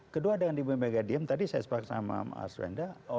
kedua dengan ibu mega diem tadi saya sepak sama mas arswenda